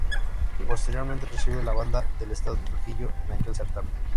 Posteriormente, recibe la banda del estado Trujillo en aquel certamen.